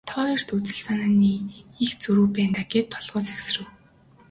Та хоёрт үзэл санааны их зөрүү байна даа гээд толгой сэгсрэв.